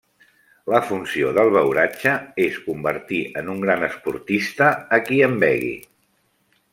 La funció del beuratge, és convertir en un gran esportista a qui en begui.